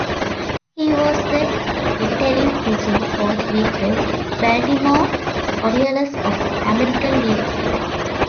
He was the interim pitching coach with the Baltimore Orioles of the American League.